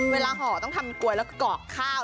เวลาห่อต้องทำกรวยแล้วก็กรอกข้าว